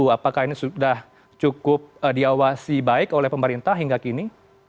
apakah ini sudah cukup diawasi baik oleh pemerintah hingga kini